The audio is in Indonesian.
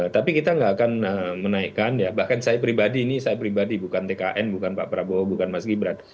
tapi kita tidak akan menaikkan bahkan saya pribadi ini bukan tkn bukan pak prabowo bukan mas gibran